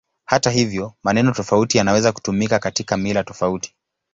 Hata hivyo, maneno tofauti yanaweza kutumika katika mila tofauti.